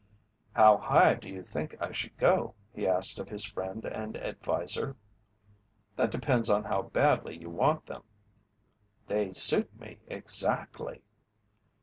"How high do you think I should go?" he asked of his friend and advisor. "That depends on how badly you want them." "They suit me exactly."